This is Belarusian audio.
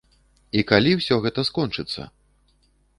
І калі ўсё гэта скончыцца?